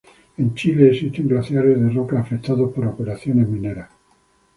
En Chile existen glaciares de roca afectados por operaciones mineras.